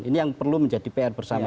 ini yang perlu menjadi pr bersama